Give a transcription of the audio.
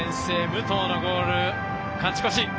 武藤のゴールで勝ち越し。